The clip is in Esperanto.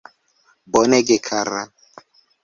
Bonege kara.